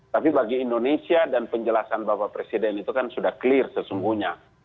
tapi bagi indonesia dan penjelasan bapak presiden itu kan sudah clear sesungguhnya